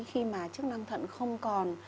khi mà chức năng thận không còn